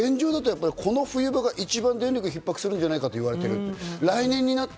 現状だと、この冬場が一番電力がひっ迫するんじゃないかと言われている。